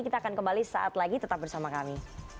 kita akan kembali saat lagi tetap bersama kami